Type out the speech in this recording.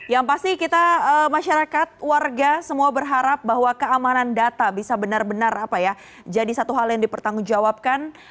yang pasti kita masyarakat warga semua berharap bahwa keamanan data bisa benar benar jadi satu hal yang dipertanggungjawabkan